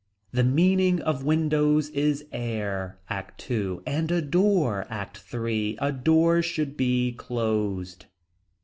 The meaning of windows is air. ACT II. And a door. ACT III. A door should be closed.